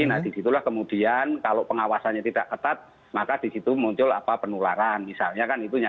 nah disitulah kemudian kalau pengawasannya tidak ketat maka disitu muncul penularan misalnya kan itunya